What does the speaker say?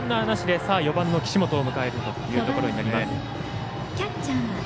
４番の岸本を迎えるというところになります。